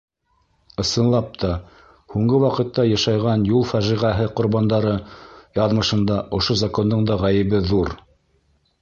Ысынлап та, һуңғы ваҡытта йышайған юл фажиғәһе ҡорбандары яҙмышында ошо закондың да ғәйебе ҙур.